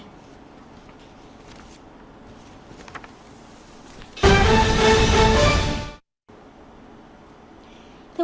các bệnh tự kỷ